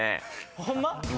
ホンマ